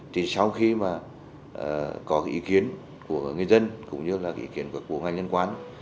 thì sau khi mà có ý kiến của người dân cũng như là ý kiến của ngành nhân quán